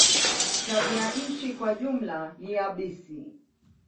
Tabianchi kwa jumla ni yabisi.